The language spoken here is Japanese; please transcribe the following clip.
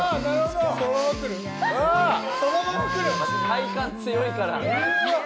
「体幹強いから」